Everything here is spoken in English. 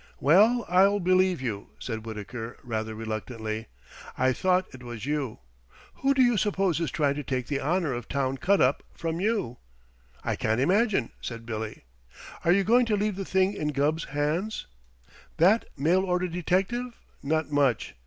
"Well, I'll believe you," said Wittaker rather reluctantly. "I thought it was you. Who do you suppose is trying to take the honor of town cut up from you?" "I can't imagine," said Billy. "Are you going to leave the thing in Gubb's hands?" "That mail order detective? Not much!